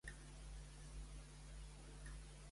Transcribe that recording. Per on es podia pensar que era el ca?